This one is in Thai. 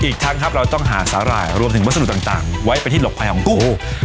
อีกทั้งครับเราต้องหาสาหร่ายรวมถึงวัสดุต่างไว้ไปที่หลบภัยของกู้